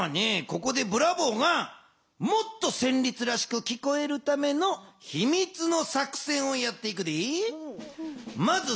ここでブラボーがもっとせんりつらしくきこえるためのひみつの作戦をやっていくで。